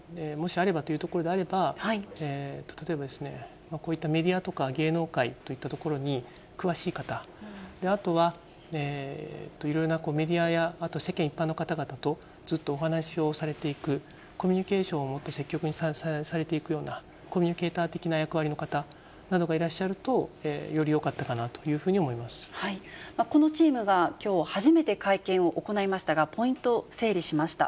あればということであれば、例えば、こういったメディアとか、芸能界といったところに詳しい方、あとは、いろいろなメディアや、あと世間一般の方々とずっとお話をされていく、コミュニケーションをもっと積極的にされていくようなコミュニケーター的な役割の方などがいらっしゃると、よりよかったかなといこのチームがきょう、初めて会見を行いましたが、ポイントを整理しました。